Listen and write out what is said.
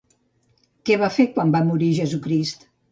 Què va fer quan va morir Jesucrist?